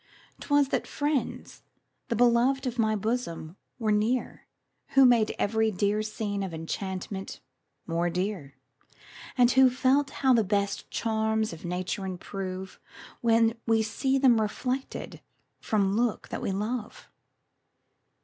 'Twas that friends, the beloved of my bosom, were near, Who made every dear scene of enchantment more dear, And who felt how the best charms of nature improve, When we see them reflected from looks that we love.